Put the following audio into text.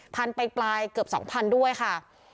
พันไปปลายเกือบ๒๐๐๐ด้วยค่ะ